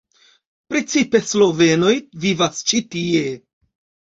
Precipe slovenoj vivas ĉi tie.